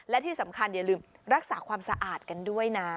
และที่สำคัญอย่าลืมรักษาความสะอาดกันด้วยนะ